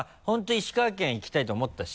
石川県行きたいと思ったし。